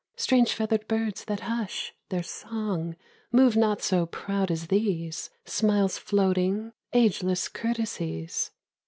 Strange feathered birds that hush Their song, move not so proud as these Smiles floating, ageless courtesies.